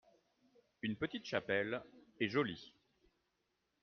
une petite chapelle, et jolie.